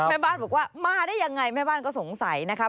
แม่บ้านบอกว่ามาได้ยังไงแม่บ้านก็สงสัยนะครับ